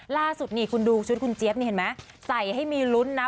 ล่าสุดนี่คุณดูชุดคุณเจี๊ยบนี่เห็นไหมใส่ให้มีลุ้นนะ